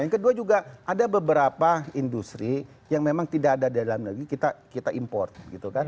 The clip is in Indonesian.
yang kedua juga ada beberapa industri yang memang tidak ada dalam negeri kita import